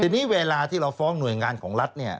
ทีนี้เวลาที่เราฟ้องหน่วยงานของรัฐเนี่ย